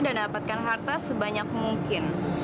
dan dapatkan harta sebanyak mungkin